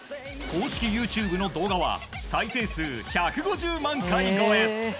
公式ＹｏｕＴｕｂｅの動画は再生数１５０万回超え。